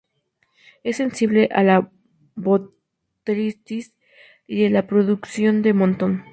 Es sensible a la botrytis y a la pudrición del montón.